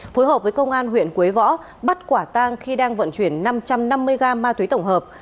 phối hợp với công an huyện quế võ bắt quả tang khi đang vận chuyển năm trăm năm mươi g ma túy tổng hợp